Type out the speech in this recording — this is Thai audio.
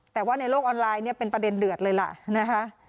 แต่ว่าในโลกออนไลน์เนี่ยเป็นประเด็นเดือดเลยล่ะนะคะ